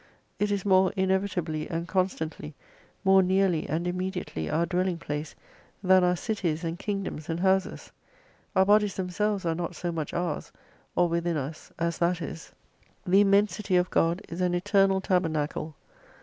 It is more inevitably and constantly, more nearly and immediately our dwelling place, than our cities and kingdoms and houses. Our bodies themselves are not so much ours, or within us as that is. The immensity of God is an eternal tabernacle.